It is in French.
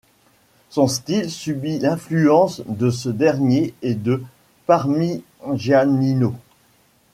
Son style subit l'influence de ce dernier et de Parmigianino.